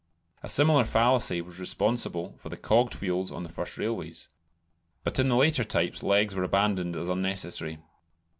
(A similar fallacy was responsible for the cogged wheels on the first railways.) But in the later types legs were abandoned as unnecessary.